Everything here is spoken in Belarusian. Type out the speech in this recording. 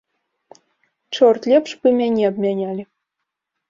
Чорт, лепш бы мяне абмянялі.